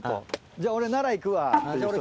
じゃあ俺奈良行くわって。